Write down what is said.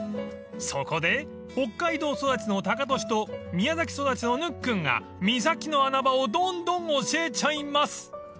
［そこで北海道育ちのタカトシと宮崎育ちのぬっくんが三崎の穴場をどんどん教えちゃいます］